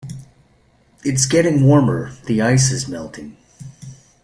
It's getting warmer; the ice is melting.